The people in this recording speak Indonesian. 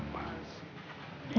hé buat apa sih